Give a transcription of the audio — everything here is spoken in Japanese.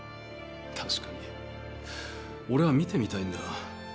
確かに俺は見てみたいんだ。